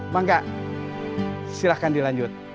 ya udah kita pulang dulu aja